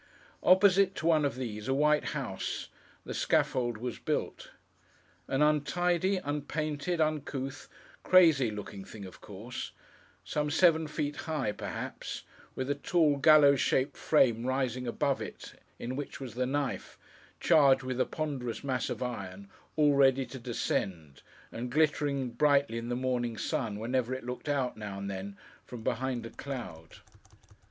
Opposite to one of these, a white house, the scaffold was built. An untidy, unpainted, uncouth, crazy looking thing of course: some seven feet high, perhaps: with a tall, gallows shaped frame rising above it, in which was the knife, charged with a ponderous mass of iron, all ready to descend, and glittering brightly in the morning sun, whenever it looked out, now and then, from behind a cloud.